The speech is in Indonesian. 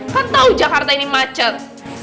kan tahu jakarta ini macet